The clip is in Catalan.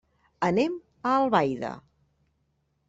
Anem a Albaida.